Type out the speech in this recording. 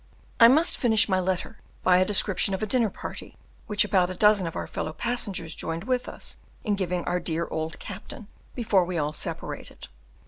I must finish my letter by a description of a dinner party which about a dozen of our fellow passengers joined with us in giving our dear old captain before we all separated.